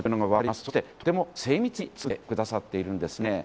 そして、とても精密に作ってくださっているんですね。